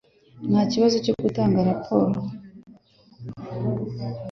Nta kibazo cyo gutanga raporo.